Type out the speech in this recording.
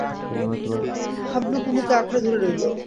হাবলু কুমুকে আঁকড়ে ধরে রইল।